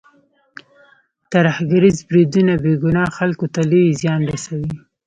ترهګریز بریدونه بې ګناه خلکو ته لوی زیان رسوي.